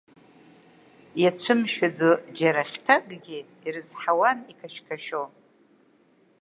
Иацәымшәаӡо џьара хьҭакгьы, ирызҳауан иқашәқашәо.